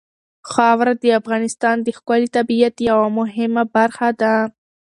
خاوره د افغانستان د ښکلي طبیعت یوه مهمه برخه ده.